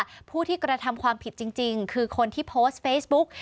ผู้ที่กระทำความผิดจริงคือคนที่โพสต์เฟซบุ๊ก